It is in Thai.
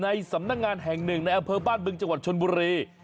ในสำนักงานแห่งหนึ่งในอำเภอบ้านบึงจังหวัดชนบุรี